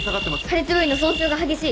破裂部位の損傷が激しい。